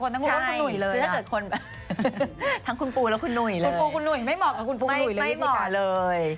แต่เผื่อว่าก็เอาข้อที่๓ไปเลย